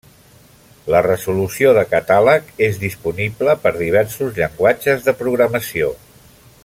La resolució de catàleg és disponible per diversos llenguatges de programació.